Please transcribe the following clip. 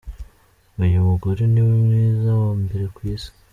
Uyu mugore niwe mwiza wa mbere ku isi.